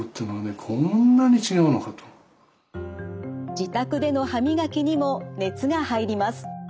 自宅での歯磨きにも熱が入ります。